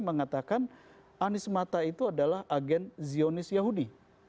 mengatakan anies mata itu adalah agen zionis yahudi